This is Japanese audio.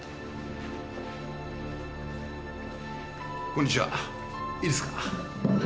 こんにちはいいですか？